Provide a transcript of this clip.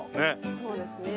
そうですね。